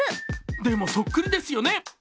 でも、そっくりですよね。